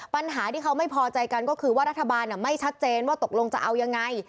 ปัญหาที่เขาไม่พอใจกันก็คือว่ารัฐบาลไม่ชัดเจนว่าตกลงจะเอายังไง